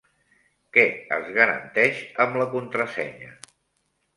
Què es garanteix amb la contrasenya?